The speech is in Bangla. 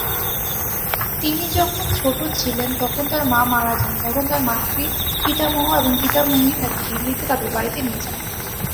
তিনি যখন ছোট ছিলেন তখন তার মা মারা যান, তখন তার মাতৃ-পিতামহ এবং পিতামহী তাকে দিল্লীতে তাদের বাড়িতে নিয়ে যান।